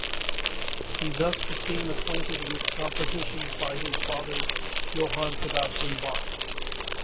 He thus became acquainted with compositions by his father Johann Sebastian Bach.